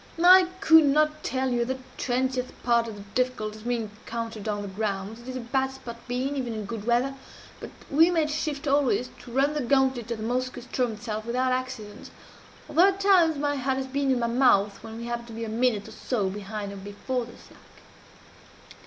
"I could not tell you the twentieth part of the difficulties we encountered 'on the ground' it is a bad spot to be in, even in good weather but we made shift always to run the gauntlet of the Moskoe ström itself without accident; although at times my heart has been in my mouth when we happened to be a minute or so behind or before the slack.